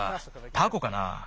タコかなあ。